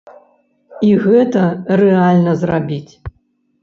І гэта рэальна зрабіць.